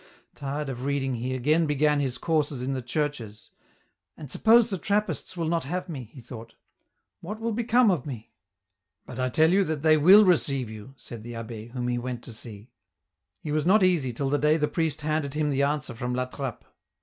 Tired of reading, he again began his courses in the churche " And K 2 132 EN ROUTE. suppose the Trappists will not have me," he thought, " what will become of me ?"" But I tell you that they will receive you," said the abbd, whom he went to see. He was not easy till the day the priest handed him the answer from La Trappe.